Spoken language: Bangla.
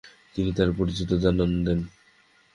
তিনি তার পরিচিতি জানান দেন।